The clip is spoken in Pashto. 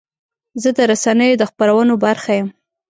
زه د رسنیو د خپرونو برخه یم.